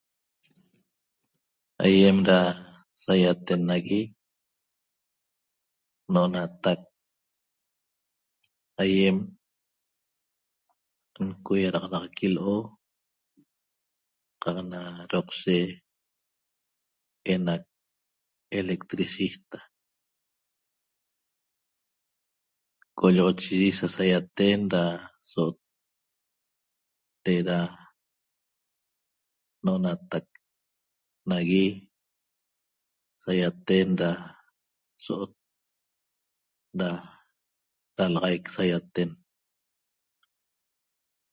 Aiem ra saiaten nagui no'onatac aiem ncoiaraxanaxaqui lo'o qaq na roqshe enac electricista, qolloxochiyi sasaiaten ra so'ot re'era no'onatac nagui saiaten ra so'ot da ralaxaic saiaten